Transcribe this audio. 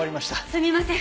すみません。